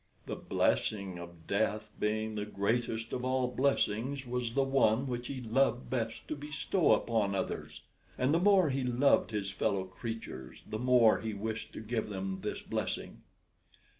The blessing of death, being the greatest of all blessings, was the one which he loved best to bestow upon others; and the more he loved his fellow creatures the more he wished to give them this blessing.